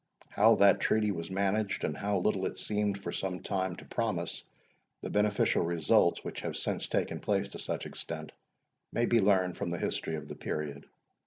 How that treaty was managed, and how little it seemed for some time to promise the beneficial results which have since taken place to such extent, may be learned from the history of the period.